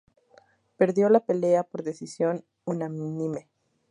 Perdió la pelea por decisión unánime.